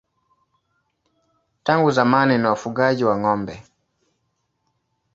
Tangu zamani ni wafugaji wa ng'ombe.